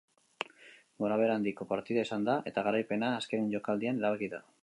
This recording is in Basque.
Gorabehera handiko partida izan da eta garaipena azken jokaldian erabaki da.